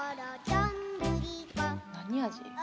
何味？